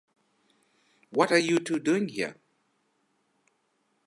What are you two doing here?